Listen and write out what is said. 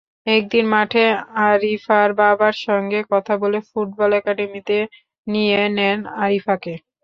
একদিন মাঠে আরিফার বাবার সঙ্গে কথা বলে ফুটবল একাডেমিতে নিয়ে নেন আরিফাকে।